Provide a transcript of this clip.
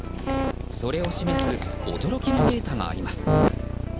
それを示す驚きのデータがあります。